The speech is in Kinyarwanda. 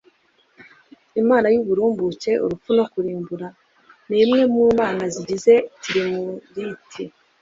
imana y’uburumbuke, urupfu no kurimbura; ni imwe mu mana zigize tirimuriti